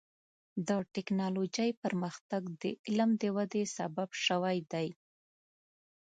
د ټکنالوجۍ پرمختګ د علم د ودې سبب شوی دی.